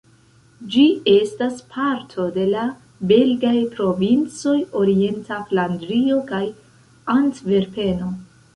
Ĝi estas parto de la belgaj provincoj Orienta Flandrio kaj Antverpeno.